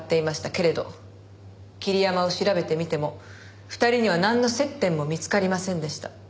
けれど桐山を調べてみても２人にはなんの接点も見つかりませんでした。